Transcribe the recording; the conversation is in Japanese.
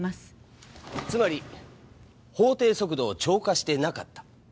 つまり法定速度を超過してなかった。